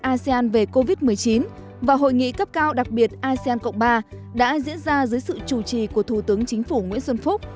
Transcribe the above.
asean về covid một mươi chín và hội nghị cấp cao đặc biệt asean cộng ba đã diễn ra dưới sự chủ trì của thủ tướng chính phủ nguyễn xuân phúc